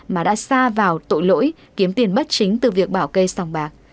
mà đã xa vào tội lỗi kiếm tiền bất chính từ việc bảo kê sòng bạc